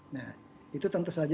nah itu tentu saja